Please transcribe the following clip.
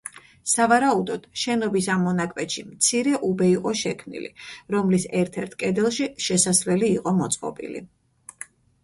სავარაუდოდ, შენობის ამ მონაკვეთში მცირე უბე იყო შექმნილი, რომლის ერთ-ერთ კედელში შესასვლელი იყო მოწყობილი.